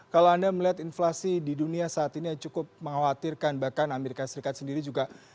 kalau anda melihat inflasi di dunia saat ini yang cukup mengkhawatirkan bahkan amerika serikat sendiri juga